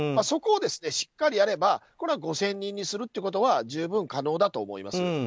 そこをしっかりやれば５０００人にするということは十分可能だと思います。